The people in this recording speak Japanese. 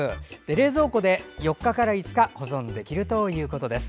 冷蔵庫で４日から５日保存できるということです。